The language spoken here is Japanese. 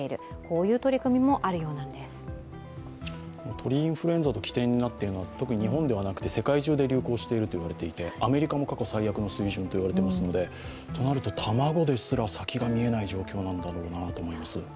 鳥インフルエンザの起点になっているのは特に日本ではなくて世界中で流行していると言われていて、アメリカも過去最悪の水準といわれていますので、となると卵ですら先が見えない状況なんだなと思います。